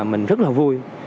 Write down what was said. mình rất là vui